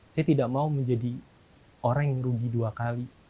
saya tidak mau menjadi orang yang rugi dua kali